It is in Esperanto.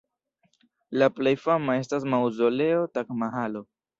La plej fama estas maŭzoleo Taĝ-Mahalo.